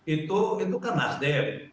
itu kan nasdem